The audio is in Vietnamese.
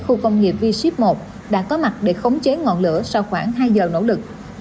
khu công nghiệp v ship một đã có mặt để khống chế ngọn lửa sau khoảng hai giờ nỗ lực